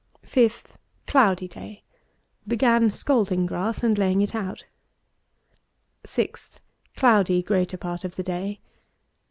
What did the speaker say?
5th. Cloudy day Began scalding grass, and laying it out. 6th. Cloudy greater part of the day.